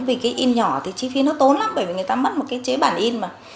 vì cái in nhỏ thì chi phí nó tốn lắm bởi vì người ta mất một cái chế bản in mà